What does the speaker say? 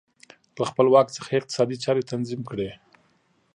له خپل واک څخه یې اقتصادي چارې تنظیم کړې